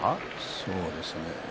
そうですね。